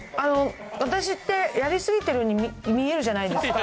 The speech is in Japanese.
私って、やり過ぎてるように見えるじゃないですか。